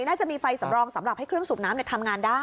น่าจะมีไฟสำรองสำหรับให้เครื่องสูบน้ำทำงานได้